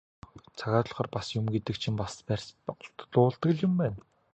Цагаа тулахаар бас юм гэдэг чинь бас барьц алдуулдаг л юм байна.